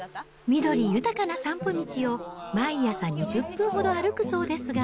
緑豊かな散歩道を毎朝２０分ほど歩くそうですが。